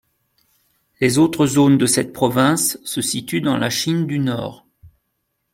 Les autres zones de ces provinces se situent dans la Chine du Nord.